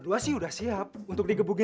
anak saya si anak itu pasti setuju